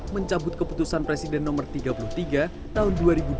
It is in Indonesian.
mencabut keputusan presiden nomor tiga puluh tiga tahun dua ribu dua puluh